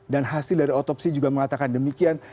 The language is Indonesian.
dan hasil dari otopsi juga mengatakan demikian